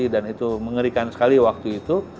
dan itu mengerikan sekali waktu itu